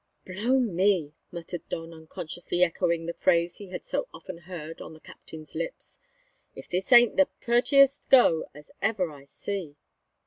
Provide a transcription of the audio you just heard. "Blow me!" muttered Don, unconsciously echoing the phrase he had so often heard on the captains lips, "if this ain't the purtiest go as ever I see!"